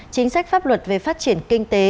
chính sách pháp luật về phát triển kinh tế